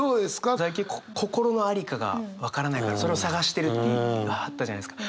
さっき心の在りかが分からないからそれを探してるって言わはったじゃないですか。